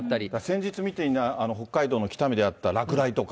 先日見た北海道の北見であった落雷とか。